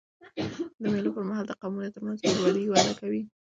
د مېلو پر مهال د قومونو ترمنځ ورورولي وده کوي.